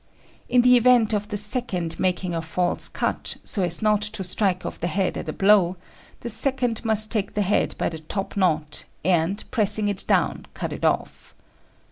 In the event of the second making a false cut, so as not to strike off the head at a blow, the second must take the head by the top knot, and, pressing it down, cut it off.